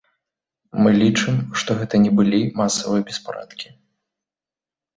Мы лічым, што гэта не былі масавыя беспарадкі.